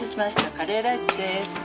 カレーライスです。